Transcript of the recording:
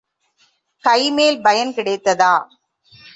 கைமேல் பயன் கிடைத்ததா?